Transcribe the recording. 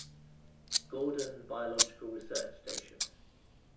Gordon Biological Research Station.